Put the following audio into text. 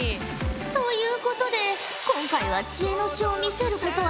ということで今回は知恵の書を見せることはできん。